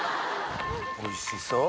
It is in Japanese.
おいしそう。